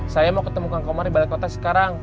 saya mau ketemu kang komar di balai kota sekarang